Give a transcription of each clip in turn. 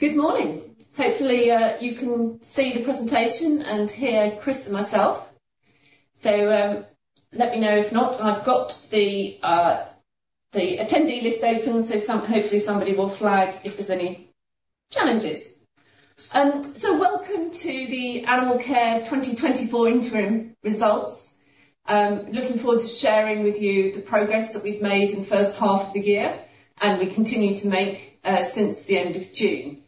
Good morning. Hopefully, you can see the presentation and hear Chris and myself. Let me know if not. I've got the attendee list open, so hopefully somebody will flag if there's any challenges. Welcome to the Animalcare 2024 interim results. Looking forward to sharing with you the progress that we've made in the first half of the year, and we continue to make since the end of June.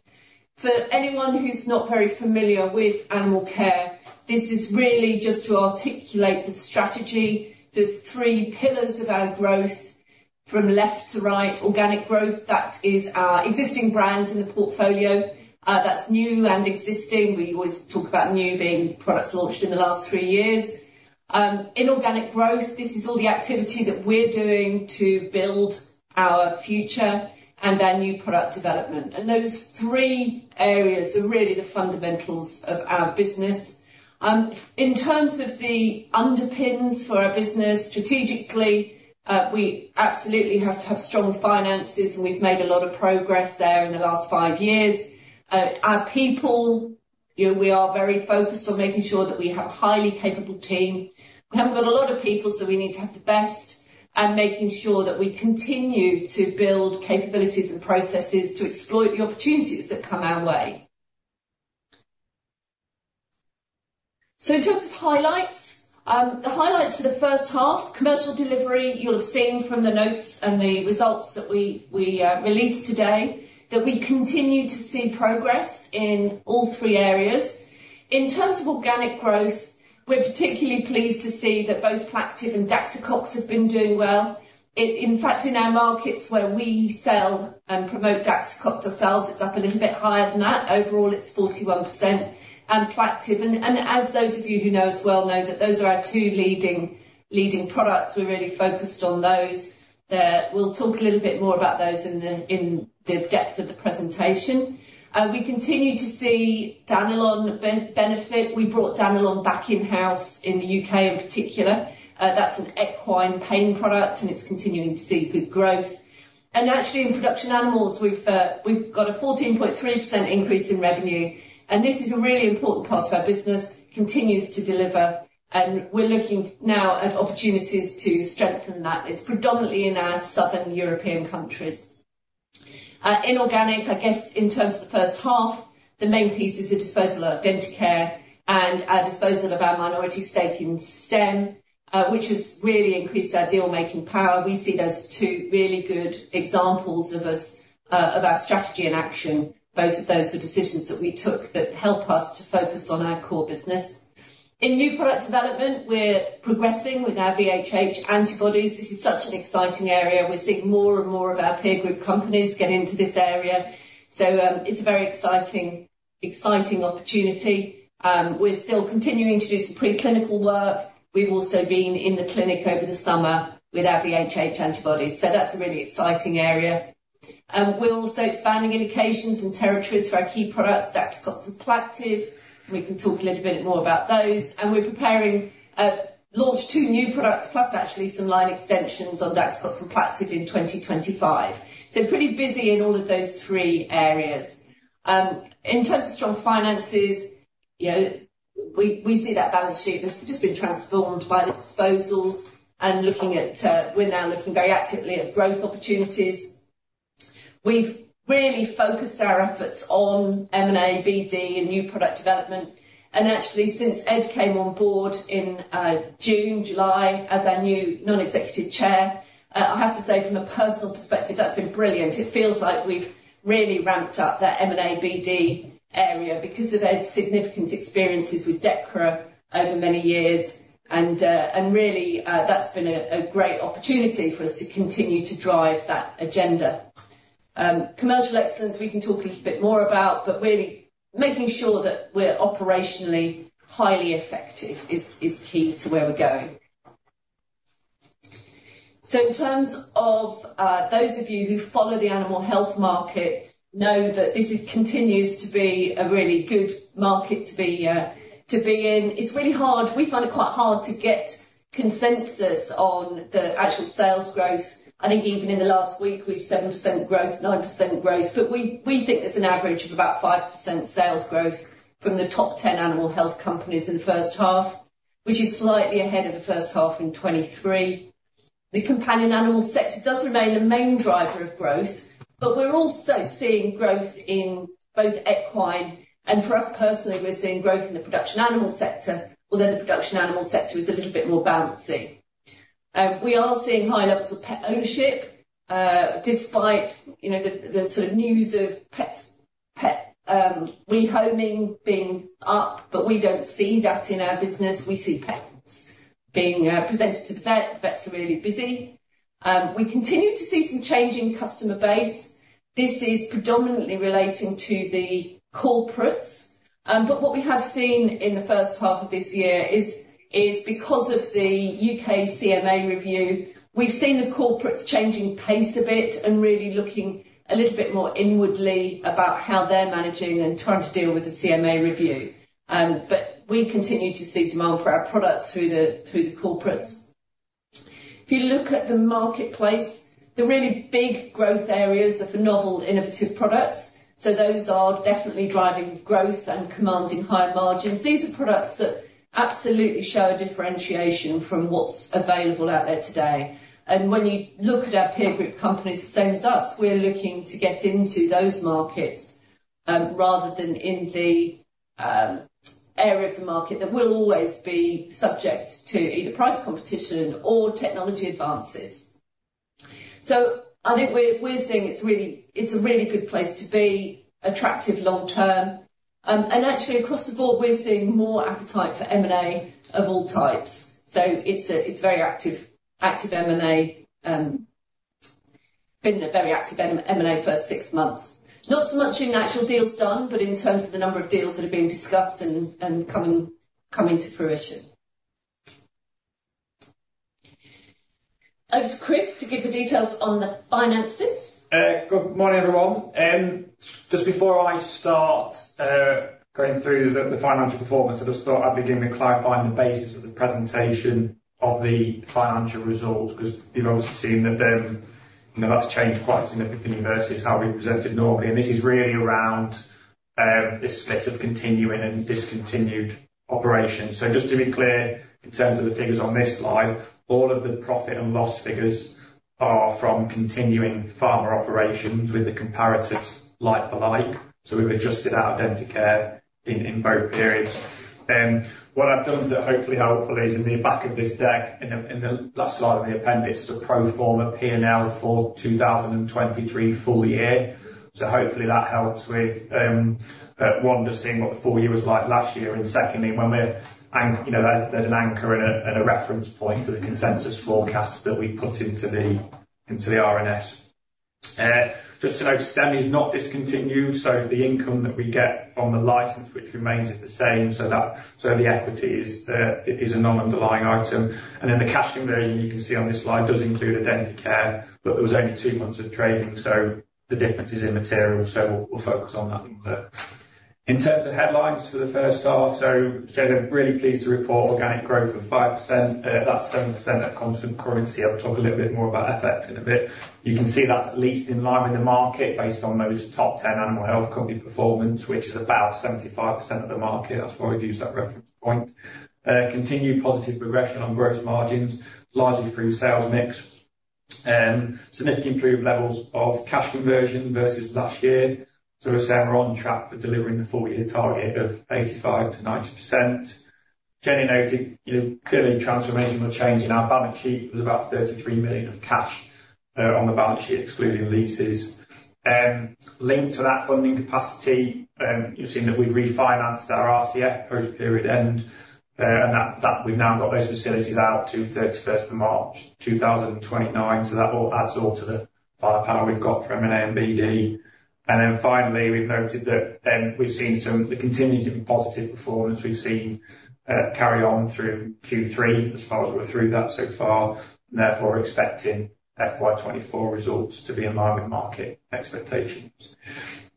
For anyone who's not very familiar with Animalcare, this is really just to articulate the strategy, the three pillars of our growth from left to right: organic growth, that is our existing brands in the portfolio. That's new and existing. We always talk about new being products launched in the last three years. Inorganic growth, this is all the activity that we're doing to build our future and our new product development, and those three areas are really the fundamentals of our business. In terms of the underpins for our business, strategically, we absolutely have to have strong finances, and we've made a lot of progress there in the last five years. Our people, you know, we are very focused on making sure that we have a highly capable team. We haven't got a lot of people, so we need to have the best, and making sure that we continue to build capabilities and processes to exploit the opportunities that come our way. So in terms of highlights, the highlights for the first half, commercial delivery, you'll have seen from the notes and the results that we released today, that we continue to see progress in all three areas. In terms of organic growth, we're particularly pleased to see that both Plaqtiv+ and Daxocox have been doing well. In fact, in our markets where we sell and promote Daxocox ourselves, it's up a little bit higher than that. Overall, it's 41%, Plaqtiv+. And as those of you who know us well know that those are our two leading products, we're really focused on those. We'll talk a little bit more about those in the depth of the presentation. We continue to see Danilon benefit. We brought Danilon back in-house in the U.K., in particular. That's an equine pain product, and it's continuing to see good growth. And actually, in production animals, we've got a 14.3% increase in revenue, and this is a really important part of our business, continues to deliver, and we're looking now at opportunities to strengthen that. It's predominantly in our southern European countries. Inorganic, I guess, in terms of the first half, the main piece is the disposal of Identicare and our disposal of our minority stake in STEM, which has really increased our deal-making power. We see those as two really good examples of us, of our strategy in action. Both of those were decisions that we took that help us to focus on our core business. In new product development, we're progressing with our VHH antibodies. This is such an exciting area. We're seeing more and more of our peer group companies get into this area, so it's a very exciting, exciting opportunity. We're still continuing to do some preclinical work. We've also been in the clinic over the summer with our VHH antibodies, so that's a really exciting area. We're also expanding indications and territories for our key products, Daxocox and Plaqtiv. We can talk a little bit more about those, and we're preparing to launch two new products, plus actually some line extensions on Daxocox and Plaqtiv+ in 2025. So pretty busy in all of those three areas. In terms of strong finances, you know, we see that balance sheet that's just been transformed by the disposals and looking at, we're now looking very actively at growth opportunities. We've really focused our efforts on M&A, BD, and new product development, and actually, since Ed came on board in June, July, as our new non-executive chair, I have to say, from a personal perspective, that's been brilliant. It feels like we've really ramped up that M&A, BD area because of Ed's significant experiences with Dechra over many years, and really, that's been a great opportunity for us to continue to drive that agenda. Commercial excellence, we can talk a little bit more about, but really making sure that we're operationally highly effective is key to where we're going. So in terms of, those of you who follow the animal health market, know that this continues to be a really good market to be in. It's really hard. We find it quite hard to get consensus on the actual sales growth. I think even in the last week, we've 7% growth, 9% growth, but we think it's an average of about 5% sales growth from the top 10 animal health companies in the first half, which is slightly ahead of the first half in 2023. The companion animal sector does remain a main driver of growth, but we're also seeing growth in both equine, and for us personally, we're seeing growth in the production animal sector, although the production animal sector is a little bit more bouncy. We are seeing high levels of pet ownership, despite, you know, the sort of news of pet rehoming being up, but we don't see that in our business. We see pets being presented to the vet. The vets are really busy. We continue to see some change in customer base. This is predominantly relating to the corporates, but what we have seen in the first half of this year is because of the U.K. CMA review, we've seen the corporates changing pace a bit and really looking a little bit more inwardly about how they're managing and trying to deal with the CMA review. But we continue to see demand for our products through the corporates. If you look at the marketplace, the really big growth areas are for novel, innovative products. So those are definitely driving growth and commanding higher margins. These are products that absolutely show a differentiation from what's available out there today. When you look at our peer group companies, the same as us, we're looking to get into those markets, rather than in the area of the market that will always be subject to either price competition or technology advances. So I think we're seeing it's really a really good place to be, attractive long term. And actually, across the board, we're seeing more appetite for M&A of all types. So it's very active M&A, been a very active M&A first six months. Not so much in actual deals done, but in terms of the number of deals that are being discussed and coming to fruition. Over to Chris to give the details on the finances. Good morning, everyone. Just before I start going through the financial performance, I just thought I'd begin by clarifying the basis of the presentation of the financial results, because you've obviously seen that, you know, that's changed quite significantly versus how we present it normally. And this is really around the split of continuing and discontinued operations. So just to be clear, in terms of the figures on this slide, all of the profit and loss figures are from continuing pharma operations with the comparatives like for like. So we've adjusted out Identicare in both periods. What I've done that hopefully helpful is in the back of this deck, in the last slide of the appendix, is a pro forma P&L for 2023 full year. Hopefully that helps with one, just seeing what the full year was like last year, and secondly, when we're you know, there's an anchor and a reference point to the consensus forecast that we put into the into the RNS. Just to note, STEM is not discontinued, so the income that we get from the license, which remains the same, so the equity is a non-underlying item. And then the cash conversion you can see on this slide does include Identicare, but there was only two months of trading, so the difference is immaterial, so we'll focus on that one. In terms of headlines for the first half, so Jenny, really pleased to report organic growth of 5%. That's 7% at constant currency. I'll talk a little bit more about FX in a bit. You can see that's at least in line with the market, based on those top ten animal health company performance, which is about 75% of the market. That's why we've used that reference point. Continued positive progression on gross margins, largely through sales mix. Significant improved levels of cash conversion versus last year. So as I said, we're on track for delivering the full year target of 85%-90%. Jenny noted, you know, clearly transformational change in our balance sheet with about 33 million of cash on the balance sheet, excluding leases. Linked to that funding capacity, you've seen that we've refinanced our RCF post-period end, and that we've now got those facilities out to 31st March 2029. So that all adds all to the firepower we've got for M&A and BD. And then finally, we've noted that we've seen the continued positive performance we've seen carry on through Q3, as far as we're through that so far, and therefore expecting FY 2024 results to be in line with market expectations.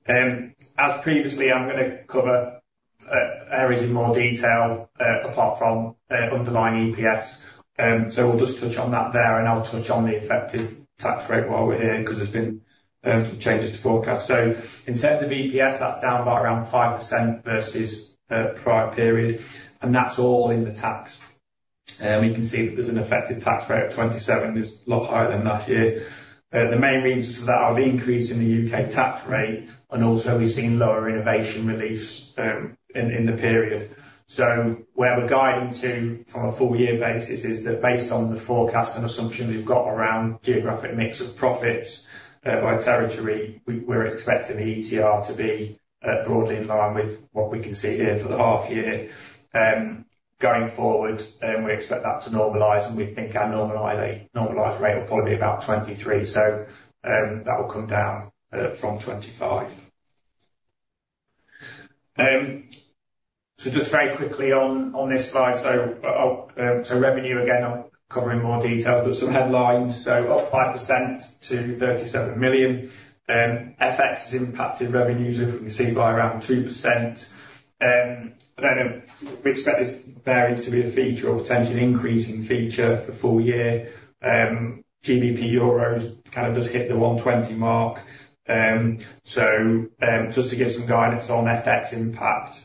As previously, I'm gonna cover areas in more detail apart from underlying EPS. So we'll just touch on that there, and I'll touch on the effective tax rate while we're here, because there's been some changes to forecast. So in terms of EPS, that's down by around 5% versus prior period, and that's all in the tax. We can see that there's an effective tax rate of 27%. It's a lot higher than last year. The main reasons for that are the increase in the U.K. tax rate, and also we've seen lower innovation relief in the period. So where we're guiding to on a full year basis is that based on the forecast and assumption we've got around geographic mix of profits by territory, we're expecting the ETR to be broadly in line with what we can see here for the half year. Going forward, we expect that to normalize, and we think our normalized rate will probably be about 23. So that will come down from 25. So just very quickly on this slide. So revenue, again, I'll cover in more detail, but some headlines, so up 5% to 37 million. FX has impacted revenues, as we can see, by around 2%. I don't know, we expect this variance to be a feature or potentially an increasing feature for full year. GBP/euros kind of just hit the 120 mark. Just to give some guidance on FX impact,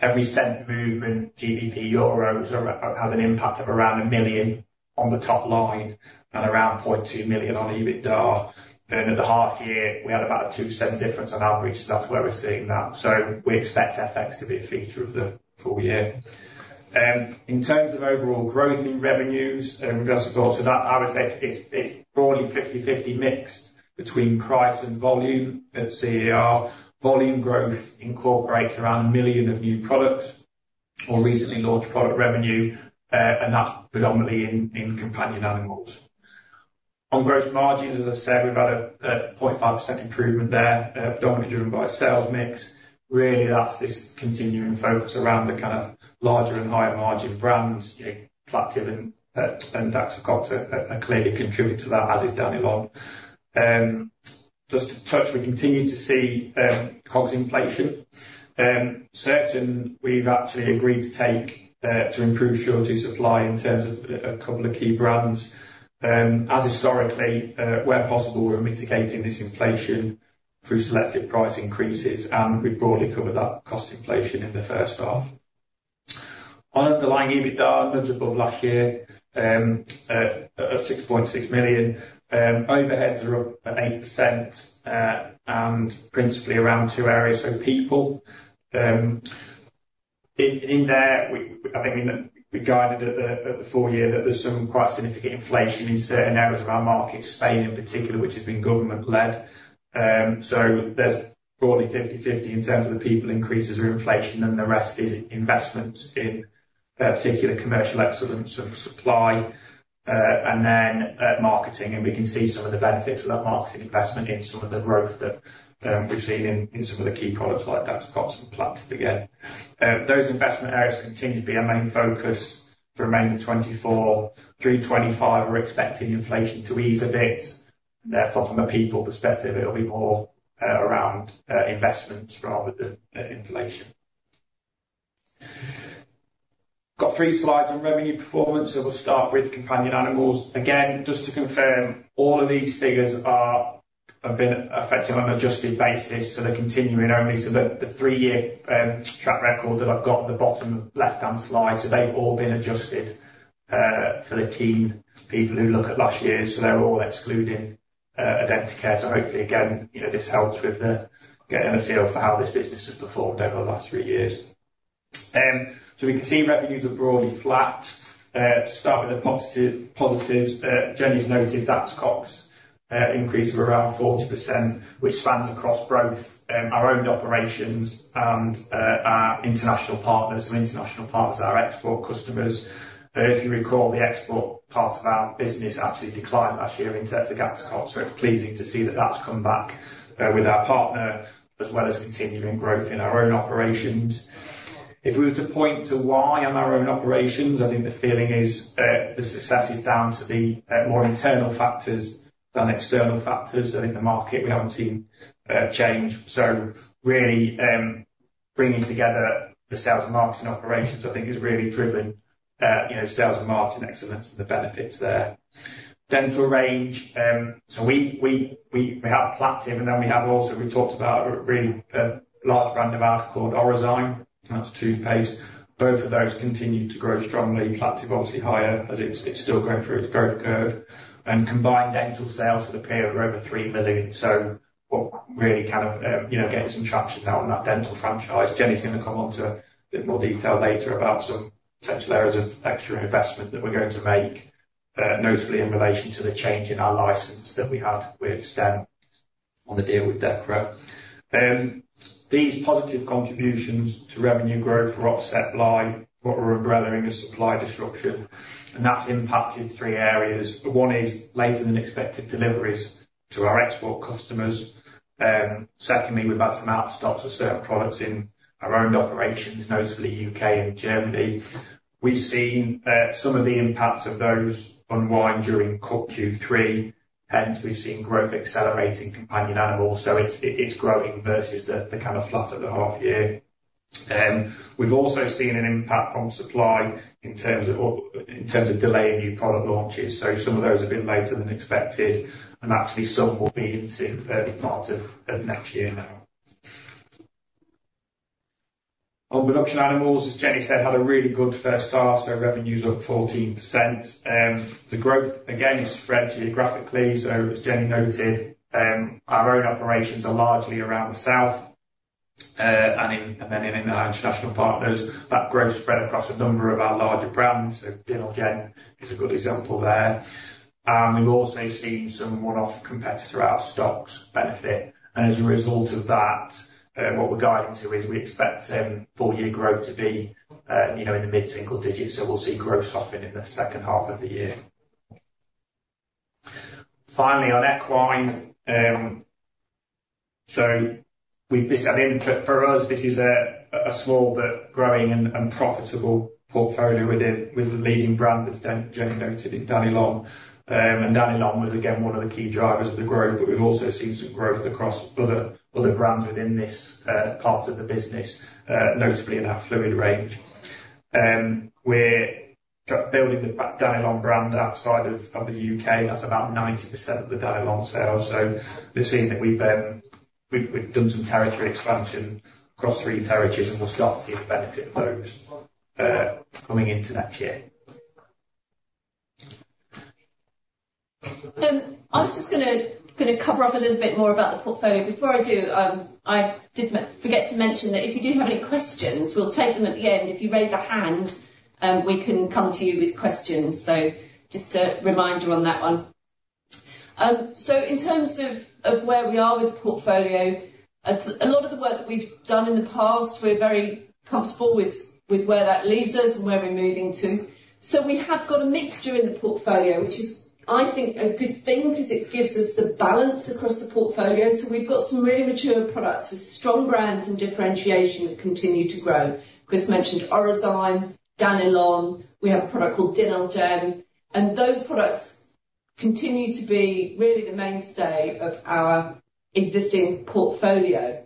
every cent movement, GBP/euros, has an impact of around a million on the top line and around point two million on EBITDA. At the half year, we had about a two cent difference on year-on-year, so that's where we're seeing that. We expect FX to be a feature of the full year. In terms of overall growth in revenues, and we go to that, I would say it's broadly 50/50 mixed between price and volume at CER. Volume growth incorporates around a million of new products or recently launched product revenue, and that's predominantly in companion animals. On gross margins, as I said, we've had a 0.5% improvement there, predominantly driven by sales mix. Really, that's this continuing focus around the kind of larger and higher margin brands. You know, Plaqtiv+ and Daxocox are clearly contributing to that, as is Danilon. Just to touch, we continue to see COGS inflation. Certainly we've actually agreed to take to improve short supply in terms of a couple of key brands. As historically, where possible, we're mitigating this inflation through selective price increases, and we broadly covered that cost inflation in the first half. Our underlying EBITDA up and above last year at 6.6 million. Overheads are up at 8%, and principally around two areas. So people, in there, I think we guided at the full year that there's some quite significant inflation in certain areas of our market, Spain in particular, which has been government-led. So there's broadly 50/50 in terms of the people increases or inflation, and the rest is investment in particular commercial excellence of supply and then marketing. And we can see some of the benefits of that marketing investment in some of the growth that we've seen in some of the key products like Daxocox and Plaqtiv+ again. Those investment areas continue to be our main focus for the remainder of 2024 through 2025. We're expecting inflation to ease a bit. Therefore, from a people perspective, it'll be more around investments rather than inflation. Got three slides on revenue performance, so we'll start with companion animals. Again, just to confirm, all of these figures are, have been affected on an adjusted basis, so they're continuing only. So the three-year track record that I've got at the bottom left-hand slide, so they've all been adjusted for the keen people who look at last year. So they're all excluding Identicare. So hopefully, again, you know, this helps with the getting a feel for how this business has performed over the last three years. So we can see revenues are broadly flat. Start with the positive, positives. Jenny's noted Daxocox increase of around 40%, which spans across both our own operations and our international partners. So international partners are our export customers. If you recall, the export part of our business actually declined last year in terms of Daxocox, so it's pleasing to see that that's come back with our partner, as well as continuing growth in our own operations. If we were to point to why on our own operations, I think the feeling is the success is down to the more internal factors than external factors. I think the market, we haven't seen change. So really, bringing together the sales and marketing operations, I think has really driven you know, sales and marketing excellence and the benefits there. Dental range, so we have Plaqtiv+, and then we have also, we talked about a really large brand of ours called Orozyme, and that's toothpaste. Both of those continue to grow strongly. Plaqtiv+, obviously higher, as it's, it's still going through its growth curve. Combined dental sales for the period were over three million, so what really kind of, you know, getting some traction now on that dental franchise. Jenny's gonna come on to a bit more detail later about some potential areas of extra investment that we're going to make, notably in relation to the change in our license that we had with STEM on the deal with Dechra. These positive contributions to revenue growth were offset by what we're umbrella-ing as supply disruption, and that's impacted three areas. One is later than expected deliveries to our export customers. Secondly, we've had some out of stocks of certain products in our own operations, notably U.K. and Germany. We've seen some of the impacts of those unwind during Q3, hence we've seen growth accelerating companion animals, so it is growing versus the kind of flat at the half year. We've also seen an impact from supply in terms of delaying new product launches. So some of those have been later than expected, and actually, some will be into early part of next year now. On production animals, as Jenny said, had a really good first half, so revenue's up 14%. The growth, again, is spread geographically. So as Jenny noted, our own operations are largely around the south, and then in international partners. That growth spread across a number of our larger brands. So Dinalgen is a good example there. And we've also seen some one-off competitor out of stocks benefit. As a result of that, what we're guiding to is we expect full year growth to be, you know, in the mid-single digits, so we'll see growth softening in the second half of the year. Finally, on equine, so this I mean, for us, this is a small but growing and profitable portfolio with a leading brand, as Jen, Jenny noted, in Danilon. Danilon was, again, one of the key drivers of the growth, but we've also seen some growth across other brands within this part of the business, notably in our fluid range. We're building the Danilon brand outside of the U.K. That's about 90% of the Danilon sales. So we've seen that we've done some territory expansion across three territories, and we'll start to see the benefit of those coming into next year. I was just gonna cover off a little bit more about the portfolio. Before I do, I did forget to mention that if you do have any questions, we'll take them at the end. If you raise a hand, we can come to you with questions. So just a reminder on that one. So in terms of where we are with the portfolio, a lot of the work that we've done in the past, we're very comfortable with where that leaves us and where we're moving to. So we have got a mixture in the portfolio, which is, I think, a good thing, because it gives us the balance across the portfolio. So we've got some really mature products with strong brands and differentiation that continue to grow. Chris mentioned Orozyme, Danilon, we have a product called Dinalgen, and those products continue to be really the mainstay of our existing portfolio.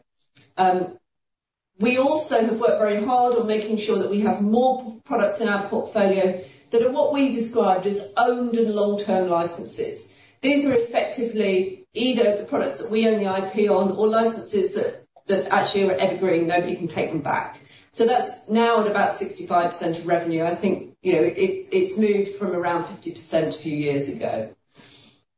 We also have worked very hard on making sure that we have more products in our portfolio that are what we've described as owned and long-term licenses. These are effectively either the products that we own the IP on or licenses that, that actually are evergreen, nobody can take them back. So that's now at about 65% of revenue. I think, you know, it, it's moved from around 50% a few years ago.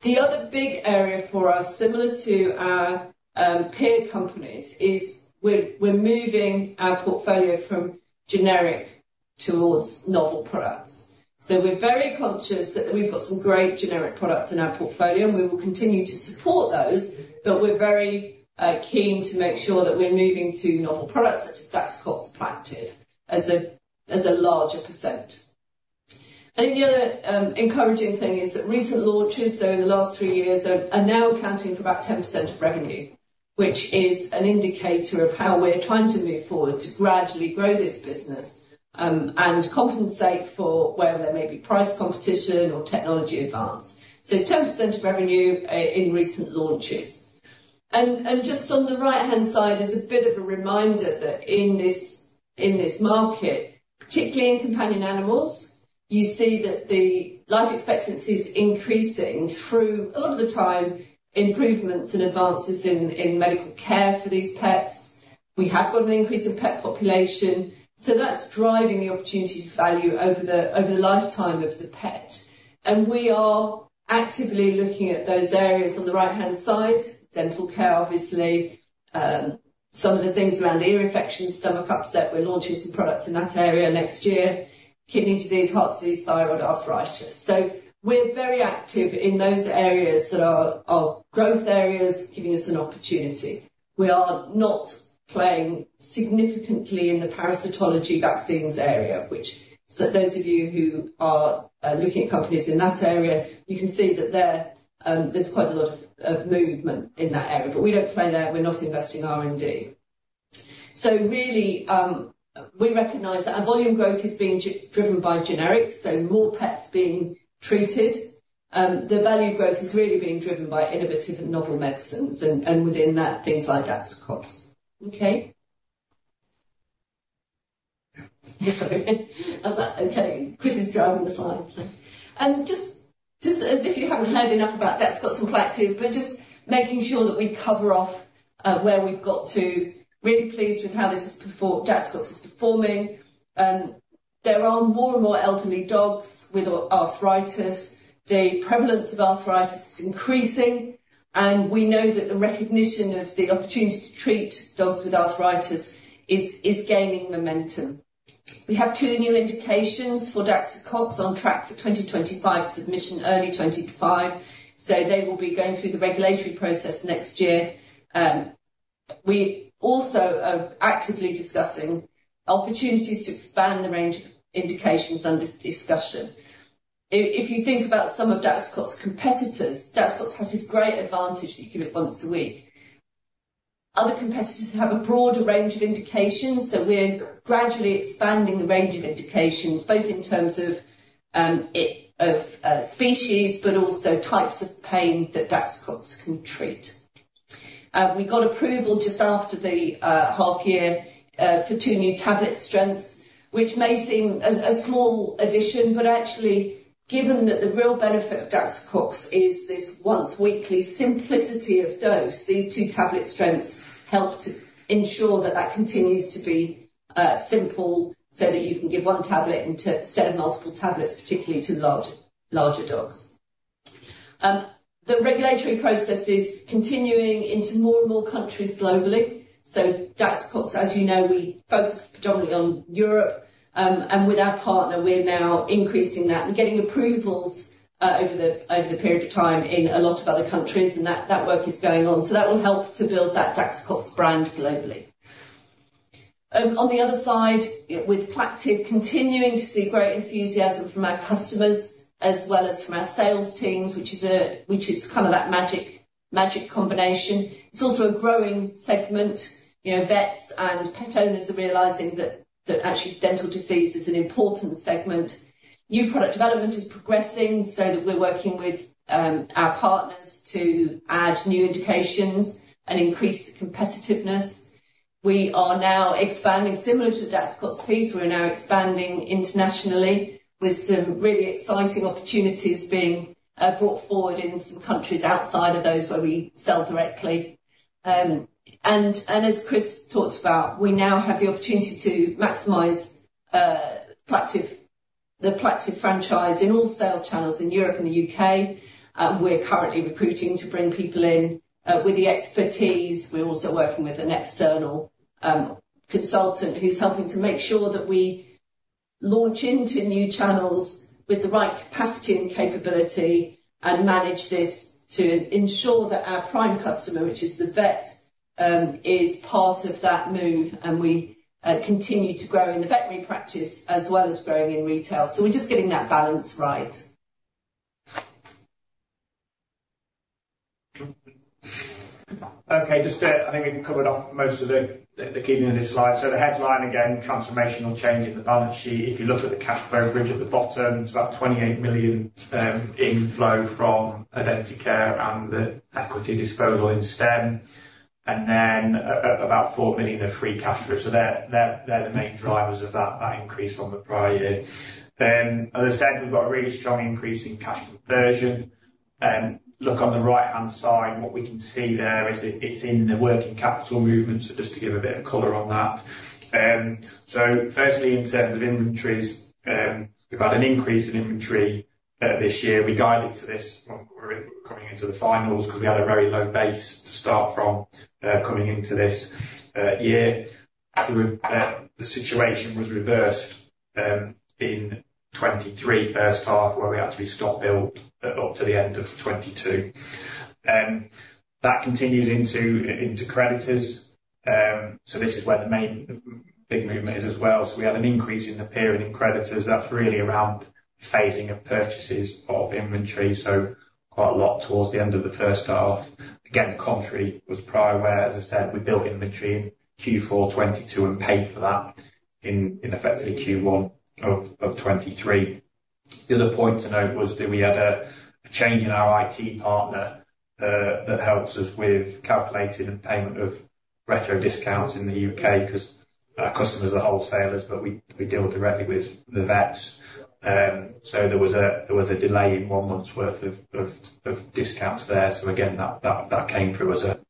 The other big area for us, similar to our peer companies, is we're, we're moving our portfolio from generic towards novel products. We're very conscious that we've got some great generic products in our portfolio, and we will continue to support those, but we're very keen to make sure that we're moving to novel products, such as Daxocox, Plaqtiv+, as a larger percent. And the other encouraging thing is that recent launches, so in the last three years, are now accounting for about 10% of revenue, which is an indicator of how we're trying to move forward to gradually grow this business, and compensate for where there may be price competition or technology advance. So 10% of revenue in recent launches. Just on the right-hand side, there's a bit of a reminder that in this market, particularly in companion animals, you see that the life expectancy is increasing through a lot of the time improvements and advances in medical care for these pets. We have got an increase in pet population, so that's driving the opportunity to value over the lifetime of the pet. We are actively looking at those areas on the right-hand side, dental care, obviously, some of the things around ear infections, stomach upset. We're launching some products in that area next year. Kidney disease, heart disease, thyroid, arthritis. We're very active in those areas that are growth areas, giving us an opportunity. We are not playing significantly in the parasitology vaccines area, so those of you who are looking at companies in that area, you can see that there, there's quite a lot of movement in that area, but we don't play there. We're not investing R&D. So really, we recognize that our volume growth is being driven by generics, so more pets being treated. The value growth is really being driven by innovative and novel medicines, and within that, things like Daxocox. Okay? Sorry. I was like, "Okay, Chris is driving the slides." Just as if you haven't heard enough about Daxocox and Plaqtiv+, but just making sure that we cover off where we've got to. Really pleased with how this has performed. Daxocox is performing. There are more and more elderly dogs with arthritis. The prevalence of arthritis is increasing, and we know that the recognition of the opportunity to treat dogs with arthritis is gaining momentum. We have two new indications for Daxocox, on track for 2025 submission, early 2025. So they will be going through the regulatory process next year. We also are actively discussing opportunities to expand the range of indications under discussion. If you think about some of Daxocox's competitors, Daxocox has this great advantage that you give it once a week. Other competitors have a broader range of indications, so we're gradually expanding the range of indications, both in terms of species, but also types of pain that Daxocox can treat. We got approval just after the half year for two new tablet strengths, which may seem a small addition, but actually, given that the real benefit of Daxocox is this once-weekly simplicity of dose, these two tablet strengths help to ensure that that continues to be simple, so that you can give one tablet instead of multiple tablets, particularly to larger dogs. The regulatory process is continuing into more and more countries globally. So Daxocox, as you know, we focus predominantly on Europe, and with our partner, we're now increasing that. We're getting approvals over the period of time in a lot of other countries, and that work is going on. So that will help to build that Daxocox brand globally. On the other side, with Plaqtiv++ continuing to see great enthusiasm from our customers, as well as from our sales teams, which is kind of that magic combination. It's also a growing segment. You know, vets and pet owners are realizing that actually dental disease is an important segment. New product development is progressing so that we're working with our partners to add new indications and increase the competitiveness. We are now expanding, similar to the Daxocox piece. We're now expanding internationally with some really exciting opportunities being brought forward in some countries outside of those where we sell directly, and as Chris talked about, we now have the opportunity to maximize Plaqtiv++, the Plaqtiv++ franchise in all sales channels in Europe and the U.K. We're currently recruiting to bring people in with the expertise. We're also working with an external consultant who's helping to make sure that we launch into new channels with the right capacity and capability, and manage this to ensure that our prime customer, which is the vet, is part of that move, and we continue to grow in the veterinary practice, as well as growing in retail. So we're just getting that balance right. Okay, just to. I think we've covered off most of the beginning of this slide. So the headline, again, transformational change in the balance sheet. If you look at the cash flow bridge at the bottom, it's about 28 million inflow from Identicare and the equity disposal in STEM. And then, about 4 million of free cash flow. So they're the main drivers of that increase from the prior year. As I said, we've got a really strong increase in cash conversion. Look on the right-hand side, what we can see there is it's in the working capital movement, so just to give a bit of color on that. So firstly, in terms of inventories, we've had an increase in inventory this year. We guided to this when we were coming into the finals, because we had a very low base to start from, coming into this year. The situation was reversed in 2023, first half, where we actually stock built up to the end of 2022. That continues into creditors. So this is where the main big movement is as well. So we had an increase in the period in creditors. That's really around phasing of purchases of inventory, so quite a lot towards the end of the first half. Again, contrary was prior, where, as I said, we built inventory in Q4 2022 and paid for that in effectively Q1 of 2023. The other point to note was that we had a change in our IT partner that helps us with calculating and payment of retro discounts in the U.K., 'cause our customers are wholesalers, but we deal directly with the vets, so there was a delay in one month's worth of discounts there, so again, that came through as a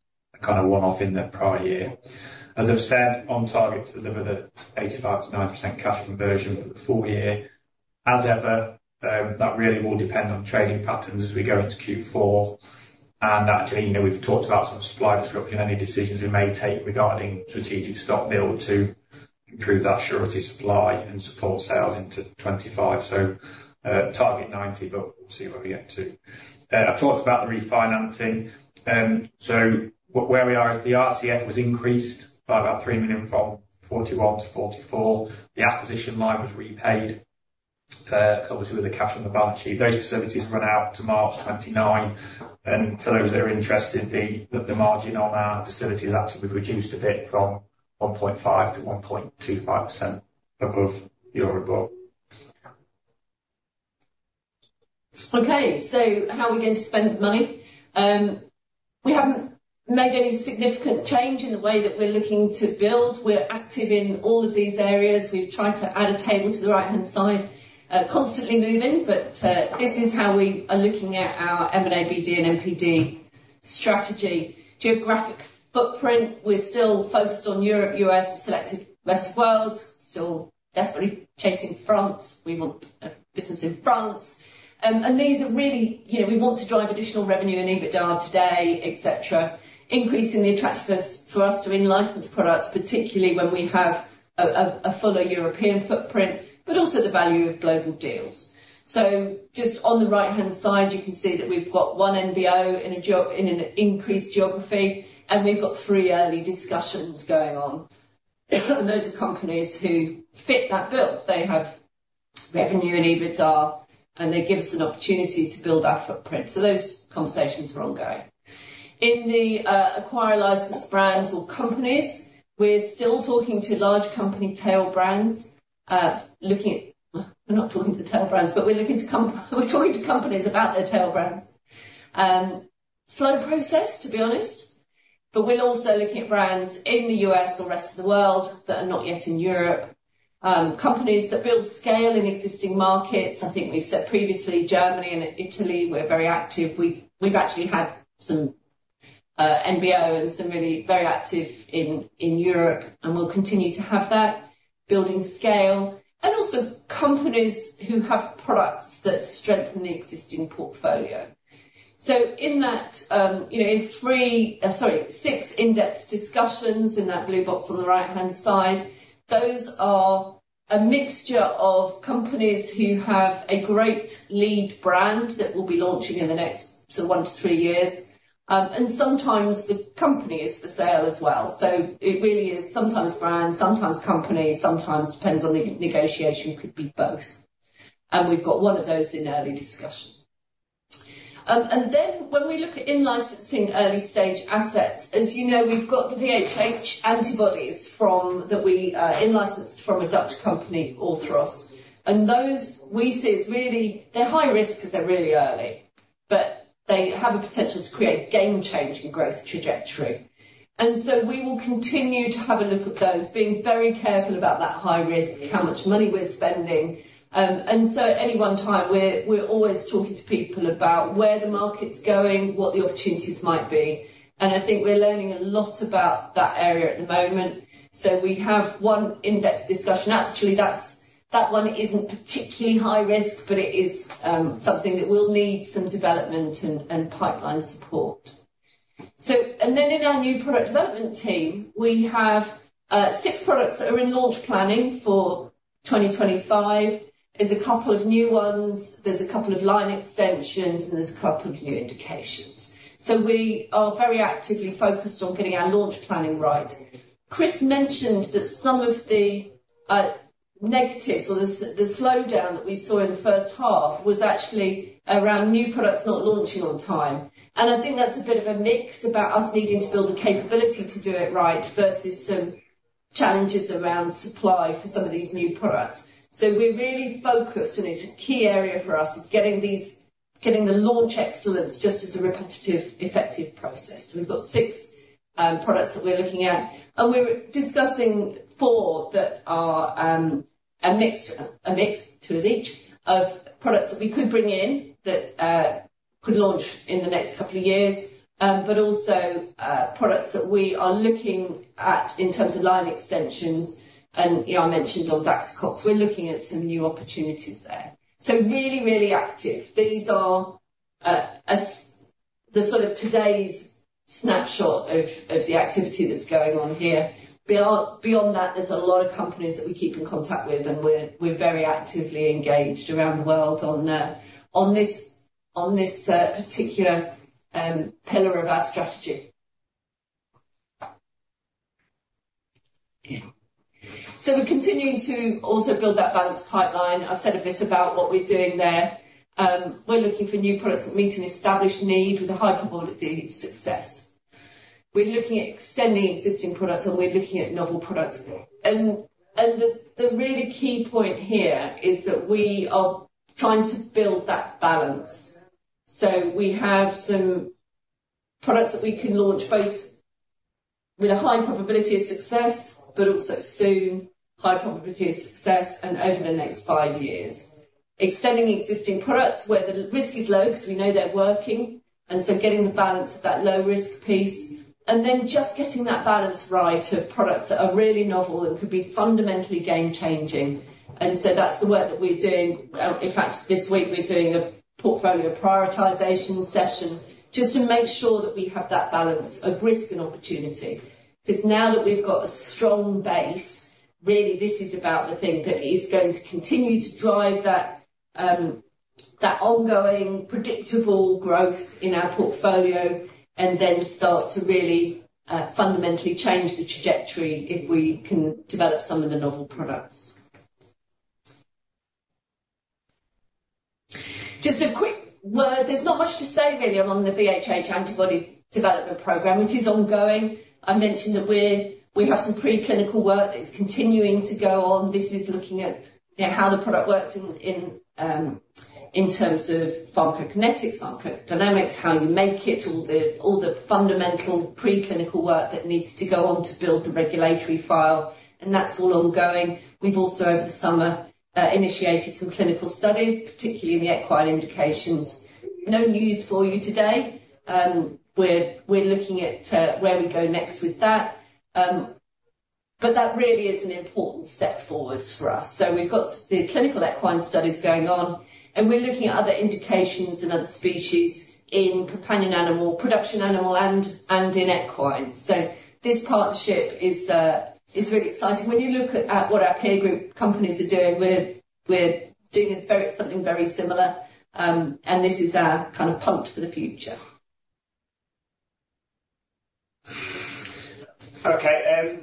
kind of one-off in the prior year. As I've said, on target to deliver the 85%-90% cash conversion for the full year. As ever, that really will depend on trading patterns as we go into Q4, and actually, you know, we've talked about some supply disruption, any decisions we may take regarding strategic stock build to improve that surety of supply and support sales into 2025. So, target ninety, but we'll see where we get to. I've talked about the refinancing. So where we are, is the RCF was increased by about 3 million, from 41 million to 44 million. The acquisition line was repaid, obviously with the cash on the balance sheet. Those facilities run out to March 2029, and for those that are interested, the margin on our facilities actually we've reduced a bit from 1.5% to 1.25% above Euribor. Okay. So how are we going to spend the money? We haven't made any significant change in the way that we're looking to build. We're active in all of these areas. We've tried to add a table to the right-hand side, constantly moving, but this is how we are looking at our M&A, BD, and NPD strategy. Geographic footprint, we're still focused on Europe, U.S., selected rest of world. Still desperately chasing France. We want a business in France. And these are really, you know, we want to drive additional revenue and EBITDA today, et cetera. Increasing the attractiveness for us to in-license products, particularly when we have a fuller European footprint, but also the value of global deals. So just on the right-hand side, you can see that we've got one NBO in an increased geography, and we've got three early discussions going on. And those are companies who fit that bill. They have revenue and EBITDA, and they give us an opportunity to build our footprint. So those conversations are ongoing. In the acquire licensed brands or companies, we're still talking to large company tail brands, looking at. We're not talking to tail brands, but we're talking to companies about their tail brands. Slow process, to be honest, but we're also looking at brands in the U.S. or rest of the world that are not yet in Europe. Companies that build scale in existing markets. I think we've said previously, Germany and Italy, we're very active. We've actually had some NBO and some really very active in Europe, and we'll continue to have that building scale, and also companies who have products that strengthen the existing portfolio. So in that, you know, three, sorry, six in-depth discussions in that blue box on the right-hand side, those are a mixture of companies who have a great lead brand that we'll be launching in the next sort of one to three years. And sometimes the company is for sale as well. So it really is sometimes brands, sometimes companies, sometimes, depends on the negotiation, could be both. And we've got one of those in early discussion. And then when we look at in-licensing early stage assets, as you know, we've got the VHH antibodies from that we in-licensed from a Dutch company, Orthros. And those, we see as really, they're high risk, because they're really early, but they have a potential to create game-changing growth trajectory. And so we will continue to have a look at those, being very careful about that high risk, how much money we're spending. And so at any one time, we're always talking to people about where the market's going, what the opportunities might be, and I think we're learning a lot about that area at the moment. So we have one in-depth discussion. Actually, that's. That one isn't particularly high risk, but it is something that will need some development and pipeline support. So, and then in our new product development team, we have six products that are in launch planning for 2025. There's a couple of new ones, there's a couple of line extensions, and there's a couple of new indications, so we are very actively focused on getting our launch planning right. Chris mentioned that some of the negatives, or the slowdown that we saw in the first half, was actually around new products not launching on time, and I think that's a bit of a mix about us needing to build the capability to do it right, versus some challenges around supply for some of these new products, so we're really focused, and it's a key area for us, is getting these, getting the launch excellence just as a repetitive, effective process. So we've got six products that we're looking at, and we're discussing four that are a mix, two of each, of products that we could bring in that could launch in the next couple of years. But also products that we are looking at in terms of line extensions. And, you know, I mentioned on Daxocox, we're looking at some new opportunities there. So really active. These are the sort of today's snapshot of the activity that's going on here. Beyond that, there's a lot of companies that we keep in contact with, and we're very actively engaged around the world on this particular pillar of our strategy. So we're continuing to also build that balanced pipeline. I've said a bit about what we're doing there. We're looking for new products that meet an established need with a high probability of success. We're looking at extending existing products, and we're looking at novel products. The really key point here is that we are trying to build that balance. We have some products that we can launch both with a high probability of success, but also soon, high probability of success and over the next five years. Extending existing products where the risk is low, because we know they're working, and so getting the balance of that low-risk piece, and then just getting that balance right of products that are really novel and could be fundamentally game-changing. That's the work that we're doing. In fact, this week, we're doing a portfolio prioritization session just to make sure that we have that balance of risk and opportunity. Because now that we've got a strong base, really, this is about the thing that is going to continue to drive that ongoing, predictable growth in our portfolio, and then start to really fundamentally change the trajectory if we can develop some of the novel products. Well, there's not much to say, really, on the VHH antibody development program. It is ongoing. I mentioned that we're, we have some preclinical work that is continuing to go on. This is looking at, you know, how the product works in terms of pharmacokinetics, pharmacodynamics, how you make it, all the fundamental preclinical work that needs to go on to build the regulatory file, and that's all ongoing. We've also over the summer initiated some clinical studies, particularly in the equine indications. No news for you today. We're looking at where we go next with that, but that really is an important step forward for us, so we've got the clinical equine studies going on, and we're looking at other indications and other species in companion animal, production animal, and in equine, so this partnership is really exciting. When you look at what our peer group companies are doing, we're doing something very similar, and this is our kind of punt for the future. Okay,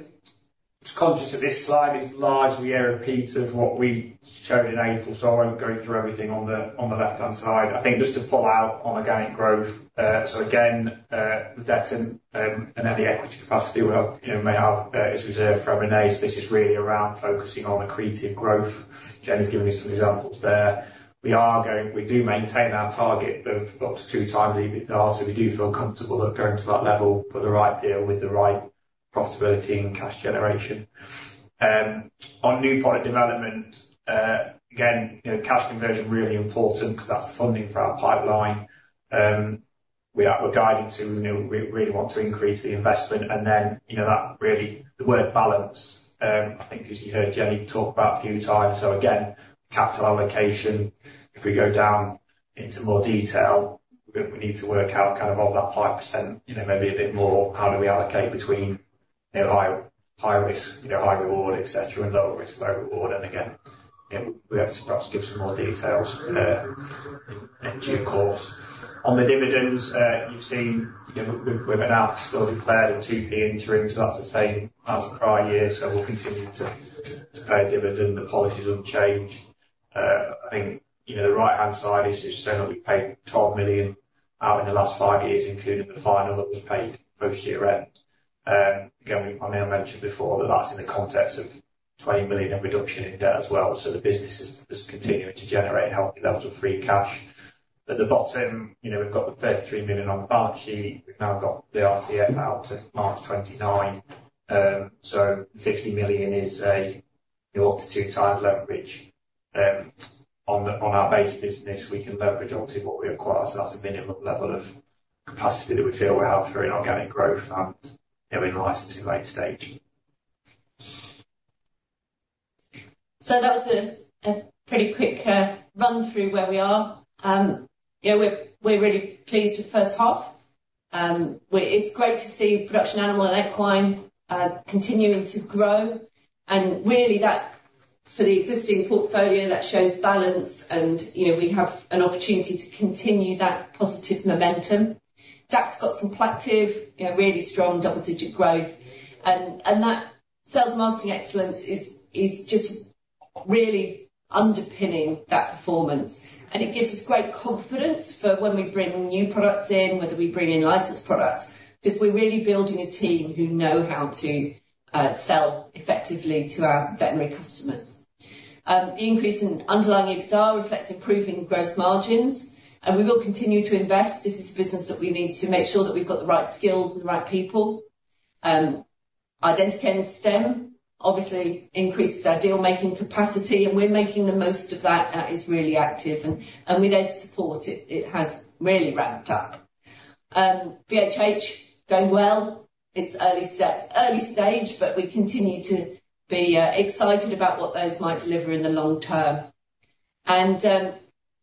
just conscious that this slide is largely a repeat of what we showed in April, so I won't go through everything on the left-hand side. I think just to pull out on organic growth, so again, the debt and then the equity capacity we have, you know, may have as reserved from RCF. This is really around focusing on accretive growth. Jenny's given you some examples there. We do maintain our target of up to two times EBITDA, so we do feel comfortable of going to that level for the right deal with the right profitability and cash generation. On new product development, again, you know, cash conversion, really important, because that's the funding for our pipeline. We're guiding to, you know, we really want to increase the investment, and then, you know, that really, the word balance, I think as you heard Jenny talk about a few times. So again, capital allocation, if we go down into more detail, we need to work out, kind of, off that 5%, you know, maybe a bit more, how do we allocate between, you know, high risk, you know, high reward, et cetera, and low risk, low reward. And again, you know, we hope to perhaps give some more details in due course. On the dividends, you've seen, you know, we've announced or declared a 2p interim, so that's the same as the prior year, so we'll continue to pay a dividend. The policy is unchanged. I think, you know, the right-hand side is just showing that we paid 12 million out in the last five years, including the final that was paid post-year end. Again, I may have mentioned before that that's in the context of 20 million in reduction in debt as well, so the business is continuing to generate healthy levels of free cash. At the bottom, you know, we've got the 33 million on the balance sheet. We've now got the RCF out to March 2029. So 50 million is up to 2x leverage. On our base business, we can leverage obviously what we acquire, so that's a minimum level of capacity that we feel we have for organic growth, and, you know, in licensing late stage. That was a pretty quick run through where we are. You know, we're really pleased with the first half. It's great to see production animal and equine continuing to grow, and really, that for the existing portfolio shows balance and, you know, we have an opportunity to continue that positive momentum. Daxocox has got some proactive, you know, really strong double-digit growth, and that sales marketing excellence is just really underpinning that performance, and it gives us great confidence for when we bring new products in, whether we bring in licensed products, because we're really building a team who know how to sell effectively to our veterinary customers. The increase in underlying EBITDA reflects improving gross margins, and we will continue to invest. This is a business that we need to make sure that we've got the right skills and the right people. Identicare and STEM obviously increases our deal-making capacity, and we're making the most of that. That is really active, and with Ed's support, it has really ramped up. VHH going well. It's early stage, but we continue to be excited about what those might deliver in the long term. And,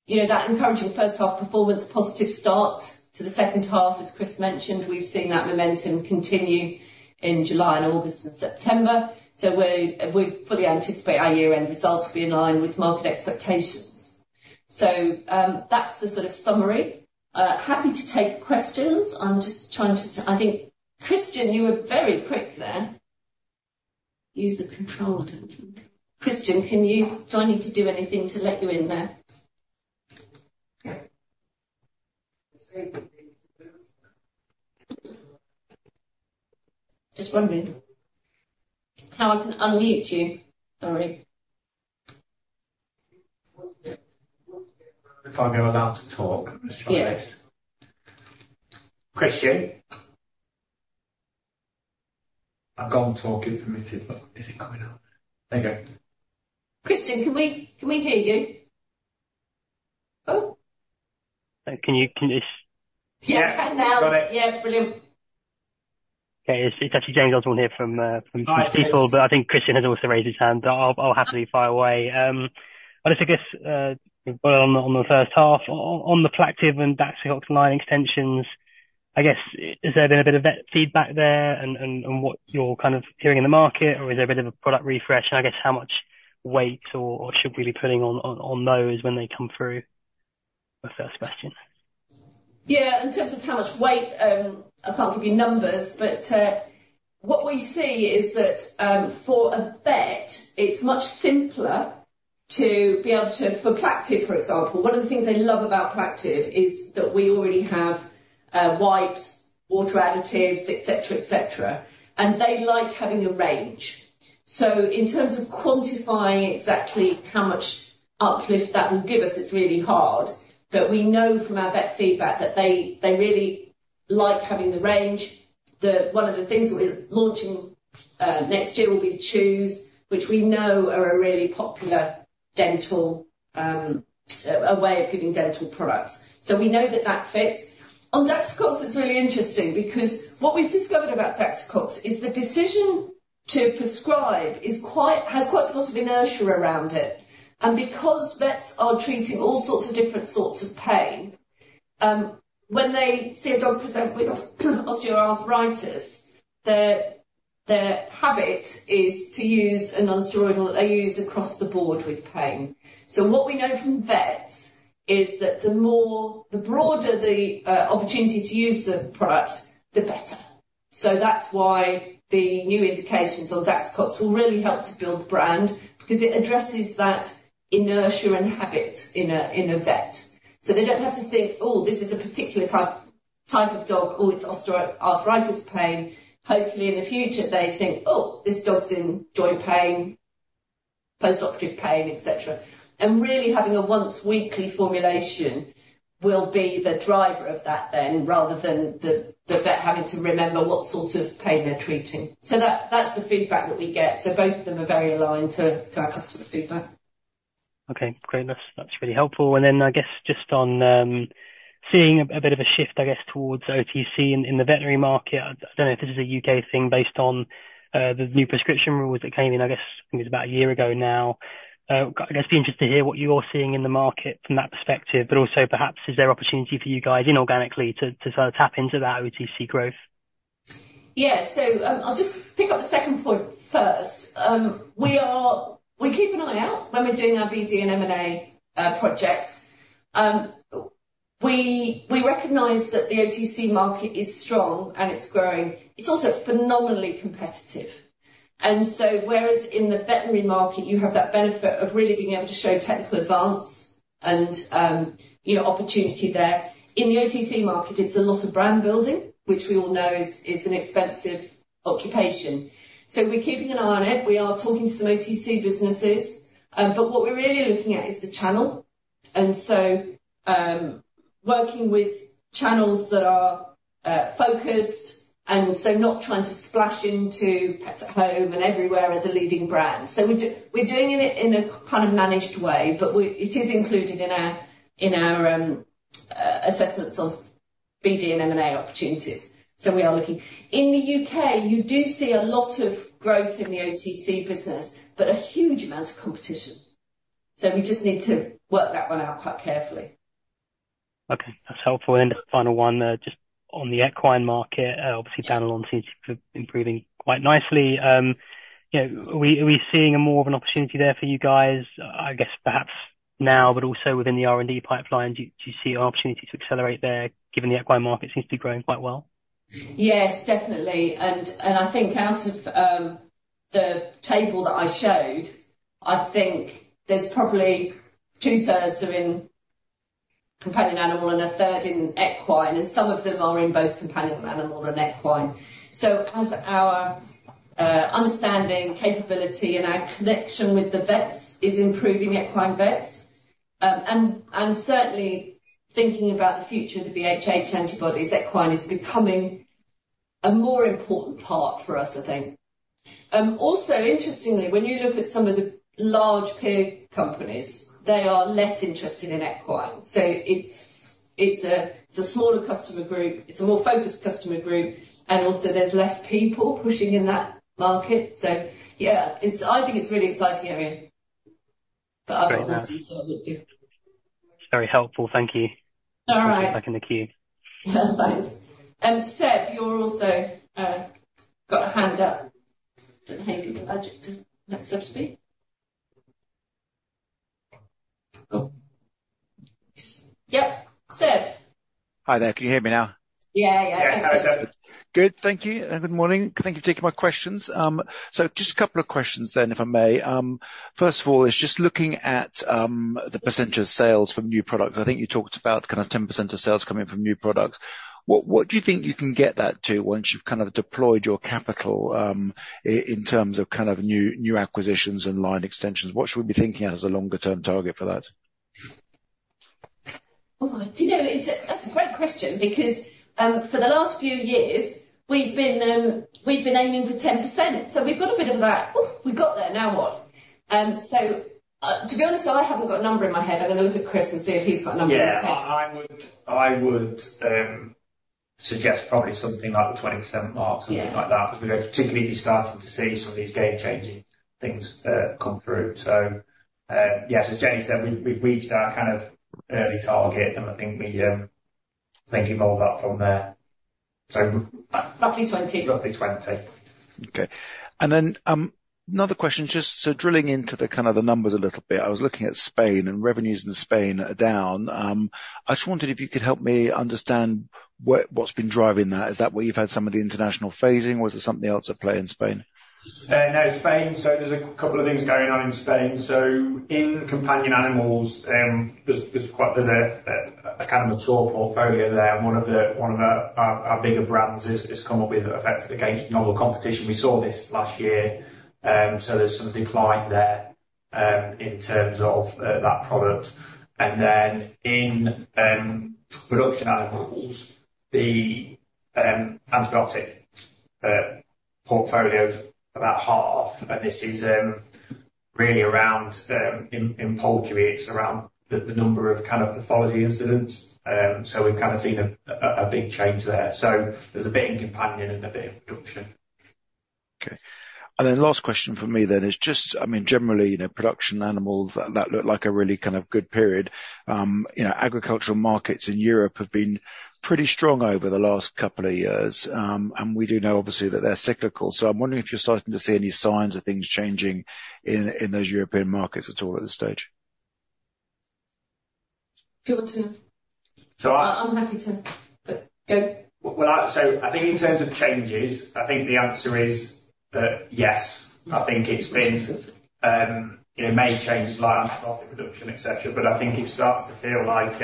you know, that encouraging first half performance, positive start to the second half, as Chris mentioned, we've seen that momentum continue in July and August and September. So we fully anticipate our year-end results will be in line with market expectations. So, that's the sort of summary. Happy to take questions. I'm just trying to see... I think, Christian, you were very quick there. Use the control button. Christian, do I need to do anything to let you in there? Yeah. Just wondering how I can unmute you. Sorry. If I am allowed to talk, let's try this. Yeah. Christian? I've gone on mute, but is it coming out? There you go. Christian, can we, can we hear you? Oh. Can you? Yes, I can now. Got it. Yeah, brilliant. Okay, it's actually James Oswald here from Peel Hunt. Hi, James. But I think Christian has also raised his hand. I'll happily fire away. I guess, well, on the first half, on the Plaqtiv+ and Daxocox line extensions, I guess, has there been a bit of vet feedback there, and what you're kind of hearing in the market, or is there a bit of a product refresh? I guess how much weight or should we be putting on those when they come through? My first question. Yeah, in terms of how much weight, I can't give you numbers, but, what we see is that, for a vet, it's much simpler to be able to, for Plaqtiv+, for example, one of the things they love about Plaqtiv+ is that we already have, wipes, water additives, et cetera, et cetera. And they like having a range. So in terms of quantifying exactly how much uplift that will give us, it's really hard, but we know from our vet feedback that they really like having the range. One of the things that we're launching, next year will be chews, which we know are a really popular dental, a way of giving dental products. So we know that that fits. On Daxocox, it's really interesting because what we've discovered about Daxocox is the decision to prescribe has quite a lot of inertia around it. And because vets are treating all sorts of different sorts of pain, when they see a dog present with osteoarthritis, their habit is to use a non-steroidal that they use across the board with pain. So what we know from vets is that the more, the broader the opportunity to use the product, the better. So that's why the new indications on Daxocox will really help to build the brand, because it addresses that inertia and habit in a vet. So they don't have to think, "Oh, this is a particular type of dog, or it's osteoarthritis pain." Hopefully, in the future, they think, "Oh, this dog's in joint pain, postoperative pain, et cetera." And really having a once-weekly formulation will be the driver of that then, rather than the vet having to remember what sort of pain they're treating. So that, that's the feedback that we get. So both of them are very aligned to our customer feedback. Okay, great. That's really helpful. And then, I guess, just on seeing a bit of a shift, I guess, towards OTC in the veterinary market, I don't know if this is a U.K. thing, based on the new prescription rules that came in, I guess, it was about a year ago now. I'd just be interested to hear what you're seeing in the market from that perspective, but also, perhaps, is there opportunity for you guys inorganically to sort of tap into that OTC growth? Yeah, so I'll just pick up the second point first. We keep an eye out when we're doing our BD and M&A projects. We recognize that the OTC market is strong, and it's growing. It's also phenomenally competitive, and so whereas in the veterinary market, you have that benefit of really being able to show technical advance and, you know, opportunity there, in the OTC market, it's a lot of brand building, which we all know is an expensive occupation, so we're keeping an eye on it. We are talking to some OTC businesses, but what we're really looking at is the channel, and so, working with channels that are, focused and so not trying to splash into Pets at Home and everywhere as a leading brand. We're doing it in a kind of managed way, but we, it is included in our assessments of BD and M&A opportunities. We are looking. In the U.K., you do see a lot of growth in the OTC business, but a huge amount of competition. We just need to work that one out quite carefully. Okay, that's helpful. And then the final one, just on the equine market, obviously, Danilon seems to be improving quite nicely. You know, are we seeing more of an opportunity there for you guys now, but also within the R&D pipeline. Do you see an opportunity to accelerate there, given the equine market seems to be growing quite well? Yes, definitely. And I think out of the table that I showed, I think there's probably two-thirds are in companion animal and a third in equine, and some of them are in both companion animal and equine. So as our understanding, capability, and our connection with the vets is improving, equine vets, and certainly thinking about the future of the VHH antibodies, equine is becoming a more important part for us, I think. Also, interestingly, when you look at some of the large pig companies, they are less interested in equine. So it's a smaller customer group, it's a more focused customer group, and also there's less people pushing in that market. So yeah, it's. I think it's a really exciting area. But I'll obviously sort of look different. Very helpful. Thank you. All right. Back in the queue. Yeah, thanks. And Seb, you're also got a hand up. Don't know how you get the magic to let Seb speak. Oh, yes. Yep, Seb? Hi there. Can you hear me now? Yeah. Yeah. Yeah. Hi, Seb. Good. Thank you, and good morning. Thank you for taking my questions. So just a couple of questions then, if I may. First of all, it's just looking at the percentage of sales from new products. I think you talked about kind of 10% of sales coming from new products. What, what do you think you can get that to, once you've kind of deployed your capital, in terms of kind of new, new acquisitions and line extensions? What should we be thinking as a longer term target for that? All right. You know, it's a great question, because for the last few years, we've been aiming for 10%, so we've got a bit of that. Oh, we got there, now what? So, to be honest, I haven't got a number in my head. I'm going to look at Chris and see if he's got a number in his head. Yeah. I would suggest probably something like the 20% mark. Yeah... something like that, because we know, particularly if you're starting to see some of these game-changing things, come through. So, yes, as Jenny said, we've reached our kind of early target, and I think we, thinking more about from there. So- Roughly 20. Roughly 20. Okay. And then, another question, just so drilling into the, kind of the numbers a little bit. I was looking at Spain, and revenues in Spain are down. I just wondered if you could help me understand what, what's been driving that. Is that where you've had some of the international phasing, or is there something else at play in Spain? No, Spain, so there's a couple of things going on in Spain. So in companion animals, there's quite a kind of mature portfolio there. One of our bigger brands has come up against novel competition. We saw this last year, so there's some decline there in terms of that product. And then in production animals, the antibiotic portfolio is about half, and this is really around in poultry. It's around the number of pathology incidents. So we've kind of seen a big change there. So there's a bit in companion and a bit in production. Okay, and then last question for me then is just, I mean, generally, you know, production animals, that looked like a really kind of good period. You know, agricultural markets in Europe have been pretty strong over the last couple of years, and we do know, obviously, that they're cyclical, so I'm wondering if you're starting to see any signs of things changing in, in those European markets at all at this stage? If you want to. So I- I'm happy to, but go. So I think in terms of changes, I think the answer is that yes, I think it's been. It may change like antibiotic production, et cetera, but I think it starts to feel like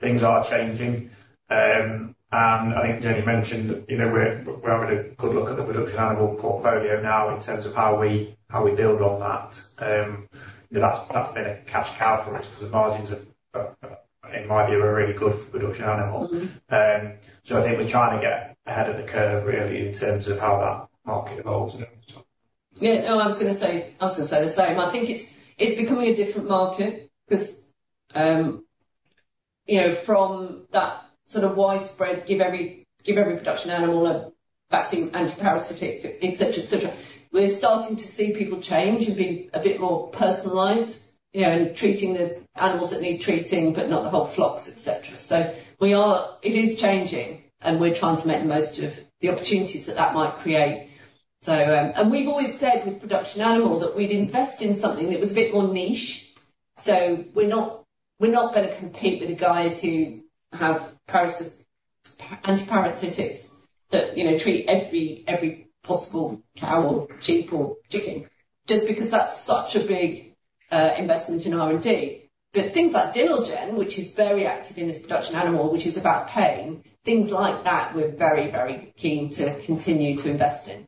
things are changing. I think Jenny mentioned that, you know, we're having a good look at the production animal portfolio now in terms of how we build on that. That's been a cash cow for us, because the margins have, in my view, are really good for production animals. So, I think we're trying to get ahead of the curve really, in terms of how that market evolves. Yeah. No, I was gonna say, I was gonna say the same. I think it's, it's becoming a different market because, you know, from that sort of widespread, give every, give every production animal a vaccine, antiparasitic, et cetera, et cetera, we're starting to see people change and being a bit more personalized, you know, and treating the animals that need treating, but not the whole flocks, et cetera. It is changing, and we're trying to make the most of the opportunities that that might create. So, and we've always said with production animal, that we'd invest in something that was a bit more niche. So we're not, we're not gonna compete with the guys who have parasit- antiparasitics, that, you know, treat every, every possible cow or sheep or chicken, just because that's such a big investment in R&D. Things like Dinalgen, which is very active in this production animal, which is about pain, things like that, we're very, very keen to continue to invest in.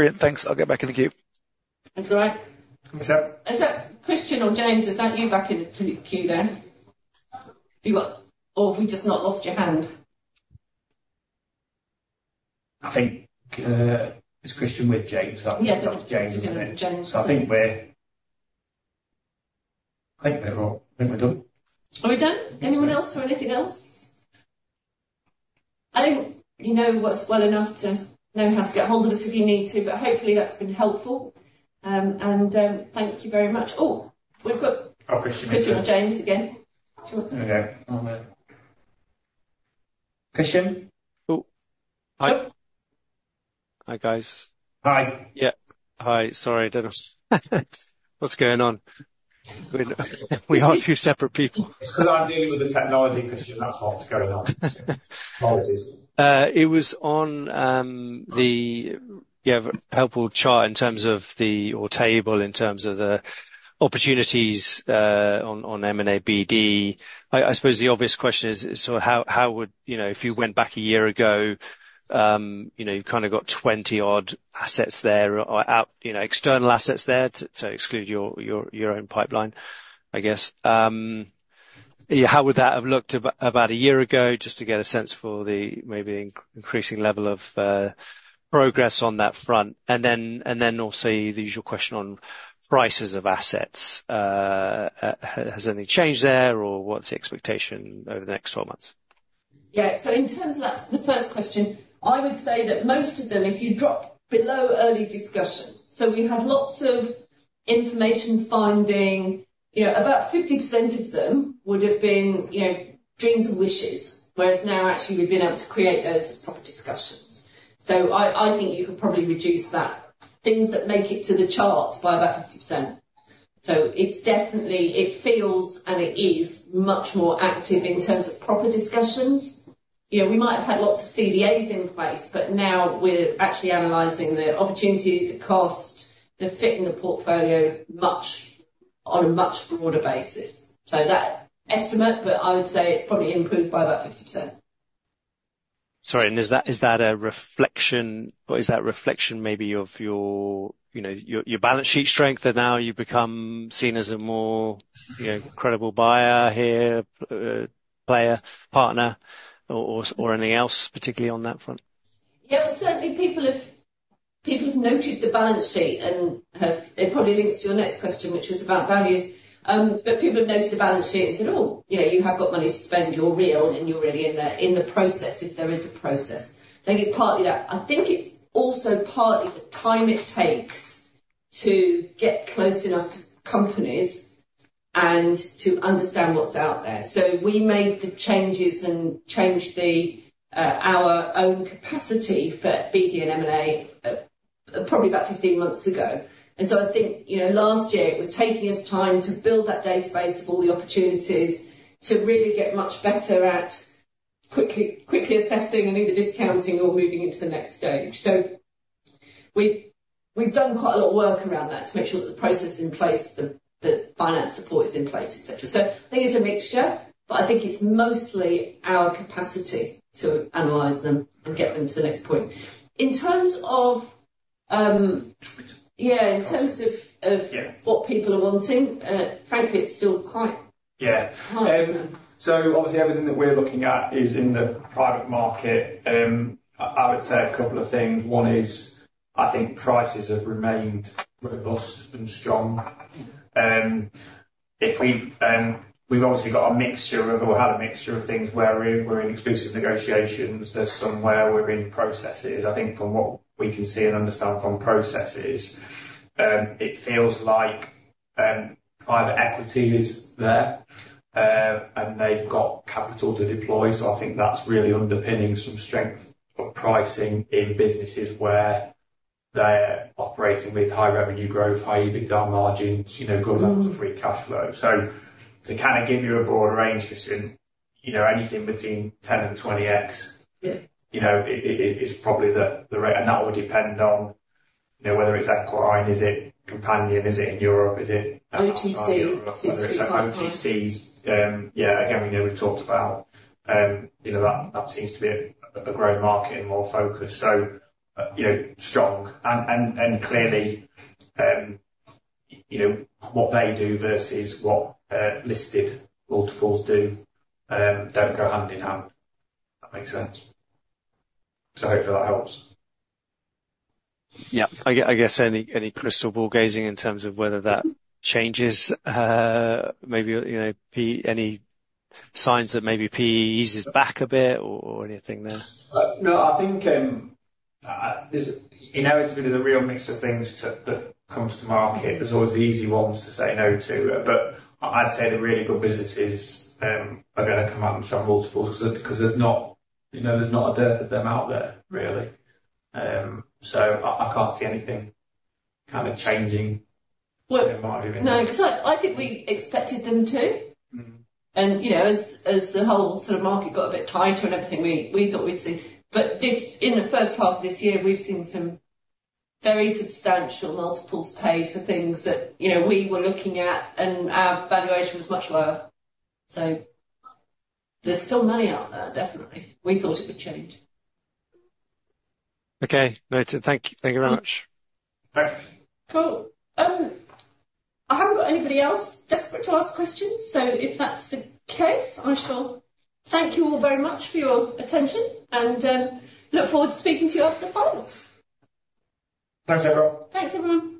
Yep. Brilliant, thanks. I'll get back in the queue. That's all right. Thanks, Seb. Is that Christian or James? Is that you back in the queue there? You got... Or have we just not lost your hand? I think it's Christian with James. Yeah. That's James. James. So I think we're all done. Are we done? Anyone else for anything else? I think you know us well enough to know how to get hold of us if you need to, but hopefully, that's been helpful, and thank you very much. Oh, we've got- Oh, Christian. Christian or James again. Here we go. One minute... Christian? Oh, hi. Hi, guys. Hi. Yeah. Hi. Sorry, Dennis. What's going on? We are two separate people. It's because I'm dealing with the technology, Christian, that's what's going on. Always. You have a helpful chart in terms of the or table in terms of the opportunities on M&A BD. I suppose the obvious question is: so how would. You know, if you went back a year ago, you know, you've kind of got 20-odd assets there, or other external assets there, to exclude your own pipeline, I guess. Yeah, how would that have looked about a year ago, just to get a sense for the maybe increasing level of progress on that front? And then, also, the usual question on prices of assets. Has anything changed there, or what's the expectation over the next twelve months? Yeah. So in terms of that, the first question, I would say that most of them, if you drop below early discussion, so we have lots of information finding, you know, about 50% of them would've been, you know, dreams and wishes. Whereas now, actually, we've been able to create those as proper discussions. So I think you could probably reduce that, things that make it to the chart, by about 50%. So it's definitely, it feels, and it is, much more active in terms of proper discussions. You know, we might have had lots of CDAs in place, but now we're actually analyzing the opportunity, the cost, the fit in the portfolio, much... on a much broader basis. So that estimate, but I would say it's probably improved by about 50%. Sorry, and is that, is that a reflection, or is that a reflection, maybe, of your, you know, your, your balance sheet strength, and now you've become seen as a more, you know, credible buyer here, player, partner, or, or, or anything else, particularly on that front? Yeah, well, certainly people have noted the balance sheet and have. It probably links to your next question, which was about values. But people have noted the balance sheet and said, "Oh, yeah, you have got money to spend. You're real, and you're already in the process," if there is a process. I think it's partly that. I think it's also partly the time it takes to get close enough to companies and to understand what's out there. So we made the changes and changed our own capacity for BD and M&A, probably about fifteen months ago. And so I think, you know, last year, it was taking us time to build that database of all the opportunities to really get much better at quickly assessing and either discounting or moving into the next stage. So we've done quite a lot of work around that to make sure that the process is in place, the finance support is in place, et cetera. So I think it's a mixture, but I think it's mostly our capacity to analyze them and get them to the next point. In terms of, of- Yeah... what people are wanting, frankly, it's still quite- Yeah. Right. So obviously, everything that we're looking at is in the private market. I would say a couple of things. One is, I think prices have remained robust and strong. We've obviously got a mixture of, or had a mixture of things where we're in exclusive negotiations. There's some where we're in processes. I think from what we can see and understand from processes, it feels like private equity is there, and they've got capital to deploy. So I think that's really underpinning some strength of pricing in businesses where they're operating with high revenue growth, high EBITDA margins, you know, good levels-... of free cash flow. So to kind of give you a broad range, Christian, you know, anything between 10x and 20x Yeah... you know, it’s probably the ra-, and that will depend on, you know, whether it’s acquired, is it companion, is it in Europe, is it- OTC... outside of Europe, whether it's OTCs. Yeah, again, we know we've talked about, you know, that that seems to be a growing market and more focused, so, you know, strong. And clearly, you know, what they do versus what listed multiples do don't go hand in hand, if that makes sense. So hopefully that helps. Yeah. I guess any crystal ball gazing in terms of whether that changes, maybe, you know, PE. Any signs that maybe PE eases back a bit or anything there? No, I think there's inevitably a real mix of things that comes to market. There's always the easy ones to say no to, but I'd say the really good businesses are going to come out and above multiples because there's not, you know, there's not a dearth of them out there, really. So I can't see anything kind of changing the market. No, because I think we expected them to. You know, as the whole sort of market got a bit tighter and everything, we thought we'd see... But this, in the first half of this year, we've seen some very substantial multiples paid for things that, you know, we were looking at, and our valuation was much lower. So there's still money out there, definitely. We thought it would change. Okay. No, thank you very much. Perfect. Cool. I haven't got anybody else desperate to ask questions, so if that's the case, I shall thank you all very much for your attention and, look forward to speaking to you after the finals. Thanks, everyone. Thanks, everyone.